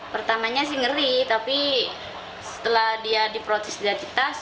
pertamanya sih ngeri tapi setelah dia diproses jadi tas